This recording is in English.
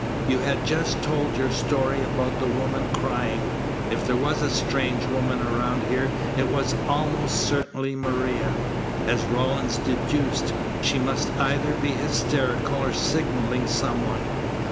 You had just told your story about the woman crying. If there was a strange woman around here it was almost certainly Maria. As Rawlins deduced, she must either be hysterical or signalling some one.